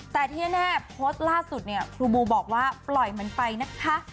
แต่ที่แน่โพสต์ล่าสุดเนี่ยครูบูบอกว่าปล่อยมันไปนะคะ